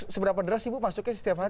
seberapa deras ibu masuknya setiap hari